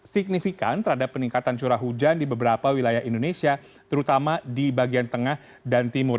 signifikan terhadap peningkatan curah hujan di beberapa wilayah indonesia terutama di bagian tengah dan timur